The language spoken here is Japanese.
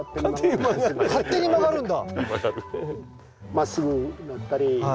勝手に曲がるんだ。